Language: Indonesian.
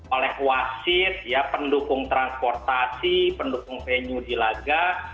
oleh wasit pendukung transportasi pendukung venue di laga